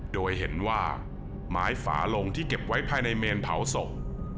โดยเห็นว่าไม้ฝาลงที่เก็บไว้ภายในเมนเผาศพ